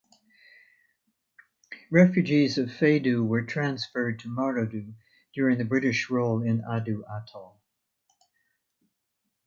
Refugees of Feydhoo were transferred to Maradhoo during the British rule in addu atoll.